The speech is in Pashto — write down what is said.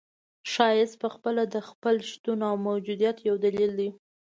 ښایست پخپله د خپل شتون او موجودیت یو دلیل دی.